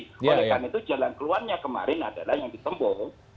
oleh karena itu jalan keluarnya kemarin adalah yang ditembul